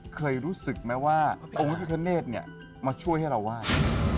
เคยรู้สึกไหมว่าพระพิคเนสมันช่วยให้เราวาด